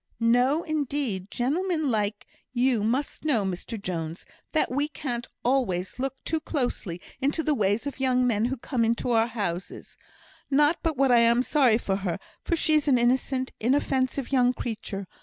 "No, indeed! Gentlemen like you must know, Mr Jones, that we can't always look too closely into the ways of young men who come to our houses. Not but what I'm sorry for her, for she's an innocent, inoffensive young creature.